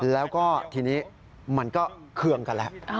แล้วก็ทีนี้มันก็เคืองกันแล้ว